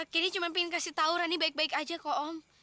candy cuma pingin kasih tahu rani baik baik aja kok om